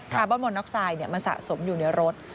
คาร์บอลมอนออกไซด์เนี่ยมันสะสมอยู่ในรถ